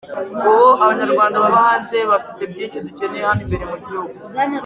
Ati “Ubu abanyarwanda baba hanze bafite byinshi dukeneye hano imbere mu gihugu.